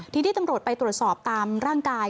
ทีนี้ตำรวจไปตรวจสอบตามร่างกาย